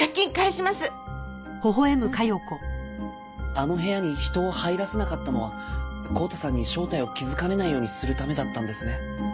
あの部屋に人を入らせなかったのは康太さんに正体を気づかれないようにするためだったんですね。